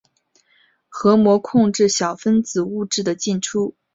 核膜控制小分子物质的进出。